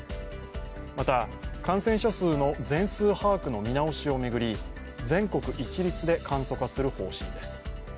また感染者数の全数把握の見直しを巡り全国一律で簡素化する方針です。